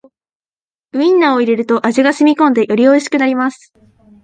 ウインナーを入れると味がしみこんでよりおいしくなります